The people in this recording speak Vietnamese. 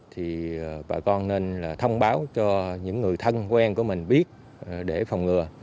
thì bà con nên là thông báo cho những người thân quen của mình biết để phòng ngừa